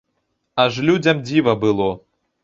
Аж людзям дзіва было.